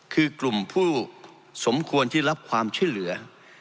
คือกลุ่มผู้สมควรที่รับความช่วยเหลือ